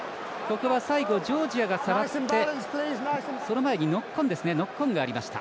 最後、ジョージアが触ってその前にノックオンがありました。